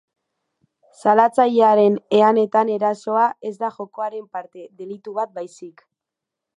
Salatzailearen eanetan, erasoa ez da jokoaren parte, delitu bat baizik.